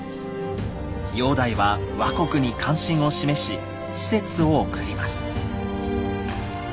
煬帝は倭国に関心を示し使節を送ります。